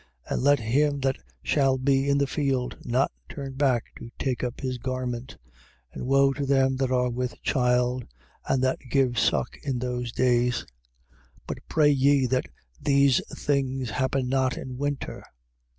13:16. And let him that shall be in the field not turn back to take up his garment. 13:17. And woe to them that are with child and that give suck in those days. 13:18. But pray ye that these things happen not in winter.